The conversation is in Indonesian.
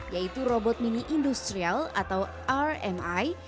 yaitu robot mini industrial atau rmi